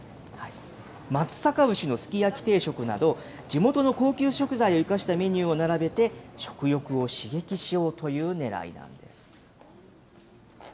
松阪牛のすき焼き定食など、地元の高級食材を生かしたメニューを並べて、食欲を刺激しようというねらいなんです。